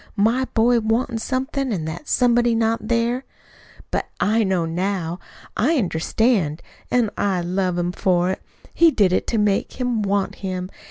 My boy wantin' somebody, an' that somebody not there! "But I know now. I understand. An' I love him for it. He did it to make him want him.